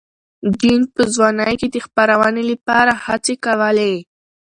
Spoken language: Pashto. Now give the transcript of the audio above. جین په ځوانۍ کې د خپرونې لپاره هڅې کولې.